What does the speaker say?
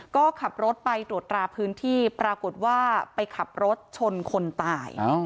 ก็ขับรถไปตรวจราพื้นที่ปรากฏว่าไปขับรถชนคนตาย